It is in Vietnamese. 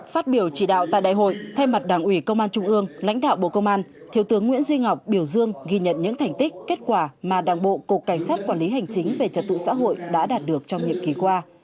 phát biểu chỉ đạo tại đại hội thay mặt đảng ủy công an trung ương lãnh đạo bộ công an thiếu tướng nguyễn duy ngọc biểu dương ghi nhận những thành tích kết quả mà đảng bộ cục cảnh sát quản lý hành chính về trật tự xã hội đã đạt được trong nhiệm kỳ qua